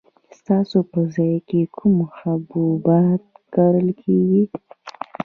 ستاسو په ځای کې کوم حبوبات کرل کیږي؟